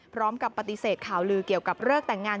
พร้อมกับปฏิเสธข่าวลือเกี่ยวกับเลิกแต่งงาน